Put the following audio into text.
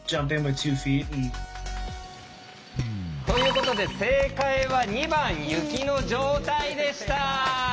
ということで正解は２番「雪の状態」でした！